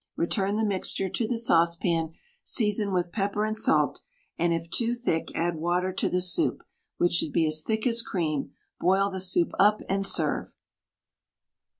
Return the mixture to the saucepan, season with pepper and salt, and if too thick add water to the soup, which should be as thick as cream, boil the soup up, and serve.